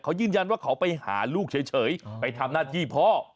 เขายืนยันว่าเขาไปหาลูกเฉยไปทำหน้าที่พ่อ